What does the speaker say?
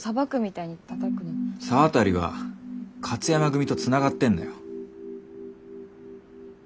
沢渡は勝山組とつながってんだよ。